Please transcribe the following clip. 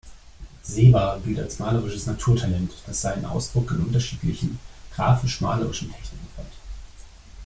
Seeber gilt als malerisches Naturtalent, das seinen Ausdruck in unterschiedlichen grafisch-malerischen Techniken fand.